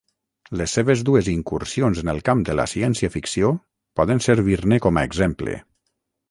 Les seves dues incursions en el camp de la ciència-ficció poden servir-ne com a exemple.